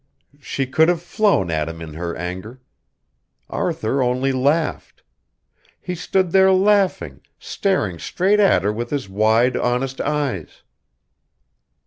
She could have flown at him in her anger. Arthur only laughed. He stood there laughing, staring straight at her with his wide honest eyes.